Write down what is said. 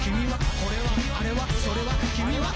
「これはあれはそれはきみは」